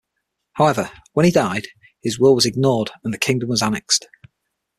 However, when he died, his will was ignored, and the kingdom was annexed.